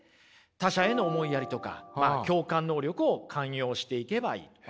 他者への思いやりとか共感能力をかんようしていけばいいと。